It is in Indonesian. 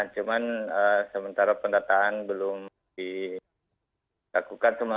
cuman sementara pendataan belum dilakukan